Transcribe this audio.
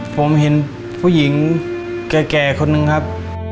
ผมเห็นผู้หญิงแก่คนนึงครับ